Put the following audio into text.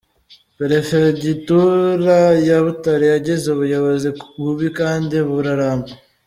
Perefegitura ya Butare yagize ubuyobozi bubi kandi buraramba.